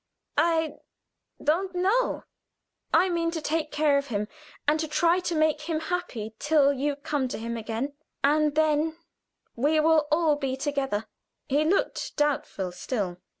"I don't know." "I mean, to take care of him, and try to make him happy till you come to him again, and then we will all be together." He looked doubtful still.